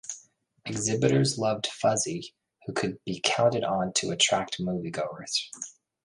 Exhibitors loved Fuzzy, who could be counted on to attract moviegoers.